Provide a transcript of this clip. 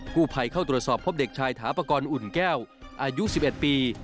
ผู้ภัยเข้าตรวจสอบพบเด็กชายถาปกรณ์อุ่นแก้วอายุ๑๑ปี